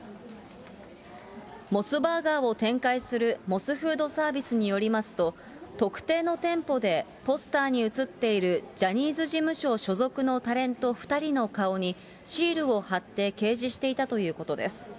モスバーガーを展開するモスフードサービスによりますと、特定の店舗でポスターに写っているジャニーズ事務所所属のタレント２人の顔に、シールを貼って掲示していたということです。